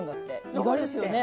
意外ですよね。